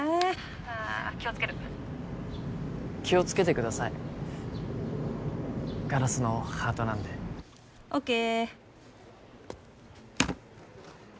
☎あ気をつける気をつけてくださいガラスのハートなんでオッケー